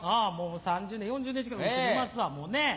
３０年４０年近く一緒にいますわもうね。